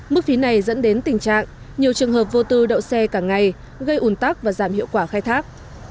mức phí này dẫn đến tình trạng nhiều trường hợp vô tư đậu xe cả ngày gây ủn tắc và giảm hiệu quả khai thác